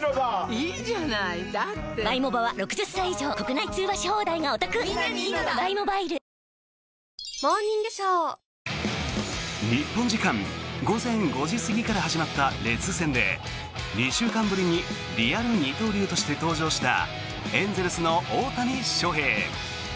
いいじゃないだって日本時間午前５時過ぎから始まったレッズ戦で２週間ぶりにリアル二刀流として登場したエンゼルスの大谷翔平。